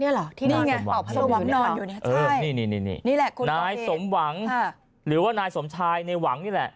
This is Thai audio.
นี่หรอที่นี่ไงนี่แหละนายสมหวังหรือว่านายสมชายนายหวังนี่แหละ